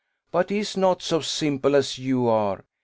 But he is not so simple as you are.